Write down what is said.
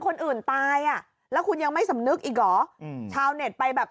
คนอื่นตายอ่ะแล้วคุณยังไม่สำนึกอีกเหรออืมชาวเน็ตไปแบบ